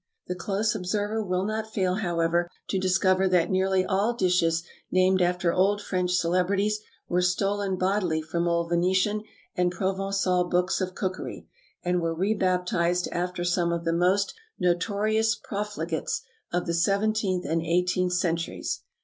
The close observer will not fail, however, to discover that nearly all dishes named after old French celebrities were stolen bodily from old Venetian and Provençal books of cookery, and were re baptized after some of the most notorious profligates of the seventeenth and eighteenth centuries.